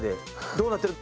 どうなってる？